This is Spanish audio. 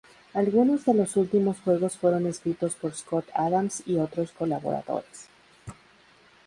Algunos de los últimos juegos fueron escritos por Scott Adams y otros colaboradores.